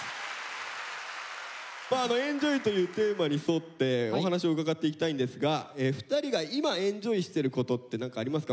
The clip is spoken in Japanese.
「ＥＮＪＯＹ」というテーマに沿ってお話を伺っていきたいんですが２人が今エンジョイしてることって何かありますか。